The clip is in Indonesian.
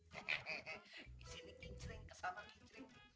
hehehe disini kicreng kesana kicreng